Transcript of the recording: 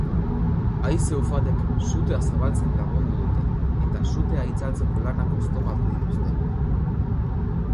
Haize-ufadek sutea zabaltzen lagundu dute eta sua itzaltzeko lanak oztopatu dituzte.